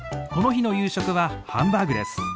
この日の夕食はハンバーグです。